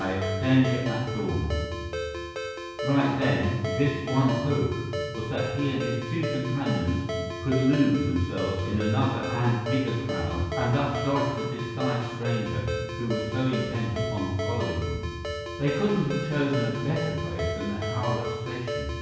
V Danger at Dawn Right then, Biff's one hope was that he and his two companions could lose themselves in another and bigger crowd and thus dodge the disguised stranger who was so intent upon following them. They couldn't have chosen a better place than the Howrah Station.